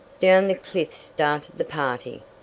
Down the cliffs started the party.